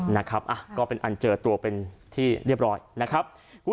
นะครับก็เป็นอันเจอตัวเป็นที่เรียบร้อยนะครับ